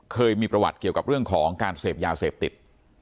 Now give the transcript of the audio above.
เคยมีประวัติเกี่ยวกับเรื่องของการเสพยาเสพติด